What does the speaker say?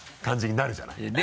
感じになるじゃない？